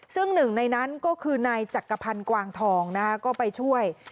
ซึ่งหนึ่งในนั้นก็คือนายจักรพันธ์กวางทองก็ไปช่วย